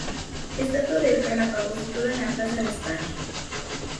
Estatua del Galápago, situada en la plaza de España.